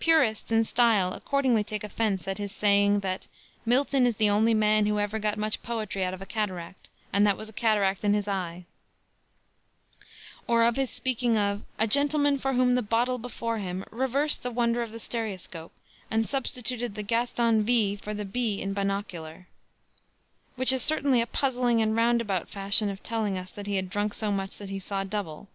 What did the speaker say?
Purists in style accordingly take offense at his saying that "Milton is the only man who ever got much poetry out of a cataract, and that was a cataract in his eye;" or of his speaking of "a gentleman for whom the bottle before him reversed the wonder of the stereoscope and substituted the Gaston v for the b in binocular," which is certainly a puzzling and roundabout fashion of telling us that he had drunk so much that he saw double.